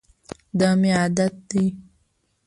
دا مي عادت دی .